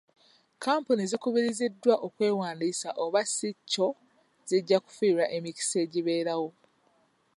Kapuni zikubiriziddwa okwewandiisa oba si kyo zijja kufiirwa emikisa egibeerawo.